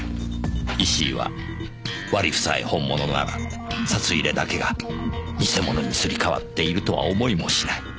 石井は割り符さえ本物なら札入れだけが偽物にすり替わっているとは思いもしない。